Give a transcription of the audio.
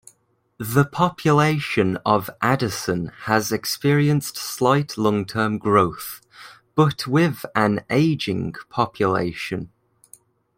The population of Addison has experienced slight long-term growth, but with an aging population.